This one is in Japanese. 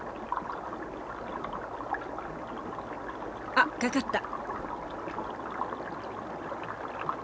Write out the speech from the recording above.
あっ掛かった！